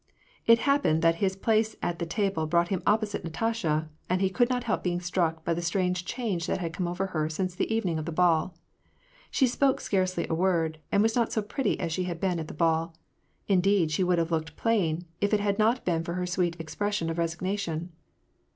It happened that his place at the table brought him opposite Natasha, and he could not help being struck by the strange change that had come over her since the evening of the ball. She spoke scarcely a word, and was not so pretty as she had been at the ball ; indeed, she would have looked plain, if it had not been for her sweet expression of resignation.